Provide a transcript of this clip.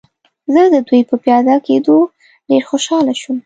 زه د دوی په پیاده کېدو ډېر خوشحاله شوم.